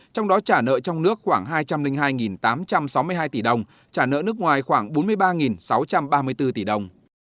trong đó trả nợ trong nước khoảng hai trăm linh hai tám trăm sáu mươi hai tỷ đồng trả nợ nước ngoài khoảng bốn mươi ba sáu trăm ba mươi bốn tỷ đồng